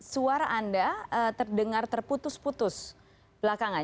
suara anda terdengar terputus putus belakangan